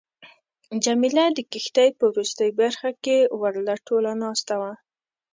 جميله د کښتۍ په وروستۍ برخه کې ورله ټوله ناسته وه.